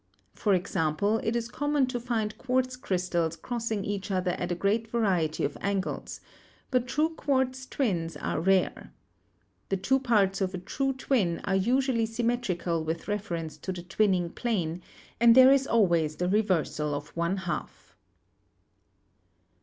For example, it is common to find quartz crystals crossing each other at a great variety of angles, but true quartz twins are rare. The two parts of a true twin are usually symmetri cal with reference to the twinning plane, and there is always the reversal of one half.